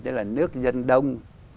tức là nước dân đông